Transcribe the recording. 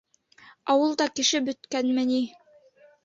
Ауылда кеше бөткәнме ни?